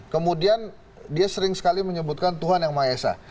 kemudian dia sering sekali menyebutkan tuhan yang mahesa